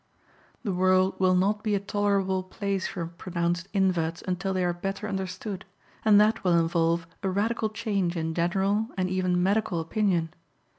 The world will not be a tolerable place for pronounced inverts until they are better understood, and that will involve a radical change in general and even medical opinion.